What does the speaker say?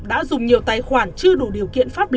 đã dùng nhiều tài khoản chưa đủ điều kiện phát hành